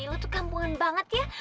lo tuh kampungan banget ya